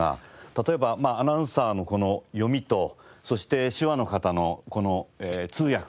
例えばまあアナウンサーの読みとそして手話の方の通訳